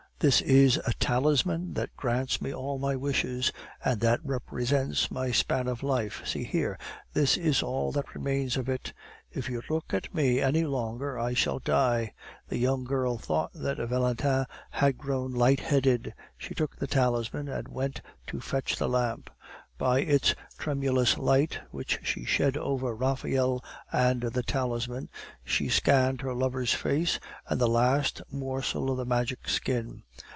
This is a talisman that grants me all my wishes, and that represents my span of life. See here, this is all that remains of it. If you look at me any longer, I shall die " The young girl thought that Valentin had grown lightheaded; she took the talisman and went to fetch the lamp. By its tremulous light which she shed over Raphael and the talisman, she scanned her lover's face and the last morsel of the magic skin.